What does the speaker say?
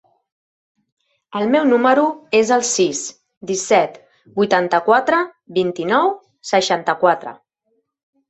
El meu número es el sis, disset, vuitanta-quatre, vint-i-nou, seixanta-quatre.